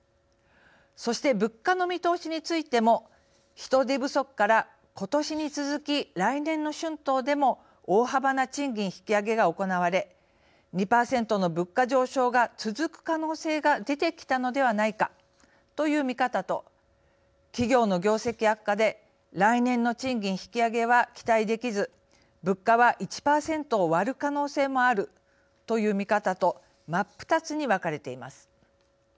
そして物価の見通しについても人手不足から今年に続き来年の春闘でも大幅な賃金引き上げが行われ２％の物価上昇が続く可能性が出てきたのではないかという見方と企業の業績悪化で来年の賃金引き上げは期待できず物価は１％を割る可能性もあるという見方と真っ二つに分かれています。